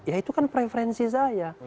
ya itu kan preferensi saya